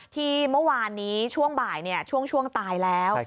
ที่เมื่อวานนี้ช่วงบ่ายช่วงตายแล้ว